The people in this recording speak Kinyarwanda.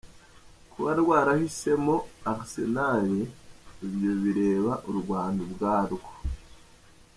Kuba rwarahismeo Arsenal, ibyo bireba u Rwanda ubwarwo.”